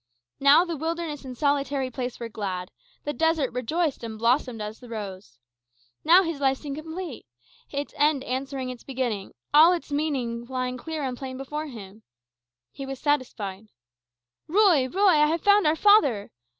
Now the wilderness and the solitary place were glad; the desert rejoiced and blossomed as the rose. Now his life seemed complete, its end answering its beginning; all its meaning lying clear and plain before him. He was satisfied. "Ruy, Ruy, I have found our father!